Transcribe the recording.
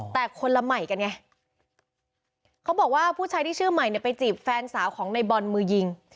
แต่คนละใหม่กันไงเขาบอกว่าผู้ชายที่ชื่อใหม่เนี่ยไปจีบแฟนสาวของในบอลมือยิง